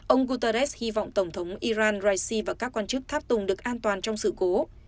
ông guterres hy vọng tổng thống iran raisi và các quan chức tháp tùng được an toàn trong sự cố